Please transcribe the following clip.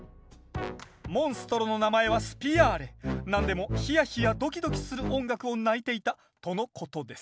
モンストロの名前はなんでもヒヤヒヤドキドキする音楽を鳴いていたとのことです